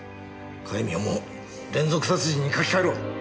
戒名も連続殺人に書き換えろ！